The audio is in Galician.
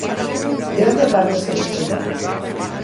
De onde parte o seu estudo?